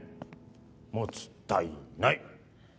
もつたいない。